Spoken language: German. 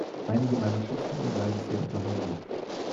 Einige meiner Schützlinge leiden sehr unter Heimweh.